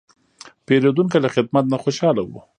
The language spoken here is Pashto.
پیرودونکی له خدمت نه خوشاله و.